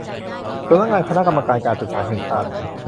สำนักงานคณะกรรมการการศึกษาแห่งชาติ